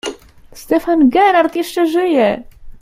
"Stefan Gerard jeszcze żyje!"